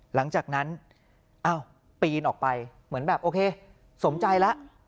หลังจากนั้นอ้าวปีนออกไปเหมือนแบบโอเคสมใจแล้ว